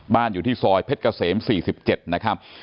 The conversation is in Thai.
อยู่ที่ซอยเพชรเกษม๔๗นะครับ